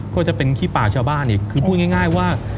ก็จะเป็นขี้ปากชาวบ้านอีกคือพูดง่ายว่า